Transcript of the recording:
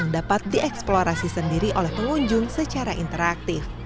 dan di eksplorasi sendiri oleh pengunjung secara interaktif